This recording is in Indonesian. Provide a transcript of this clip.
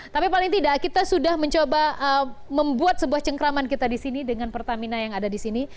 tapi paling tidak kita sudah mencoba membuat sebuah cengkraman kita disini dengan pertamina yang ada disini